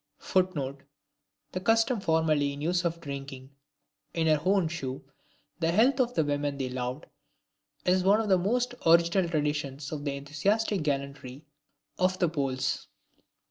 [Footnote: The custom formerly in use of drinking, in her own shoe, the health of the woman they loved, is one of the most original traditions of the enthusiastic gallantry if the Poles.